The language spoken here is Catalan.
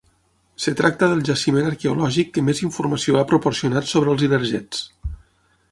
Es tracta del jaciment arqueològic que més informació ha proporcionat sobre els ilergets.